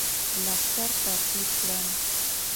لښکر ترتیب کړم.